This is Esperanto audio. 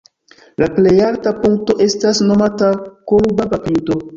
La plej alta punkto estas nomata "Kolubaba"-pinto.